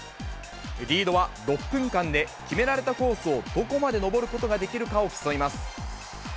リードは６分間で決められたコースをどこまで登ることができるかを競います。